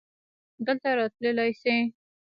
دلته راتللی شې؟